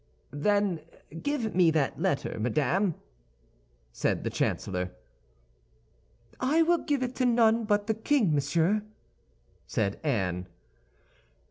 "Then give me that letter, madame," said the chancellor. "I will give it to none but the king, monsieur," said Anne.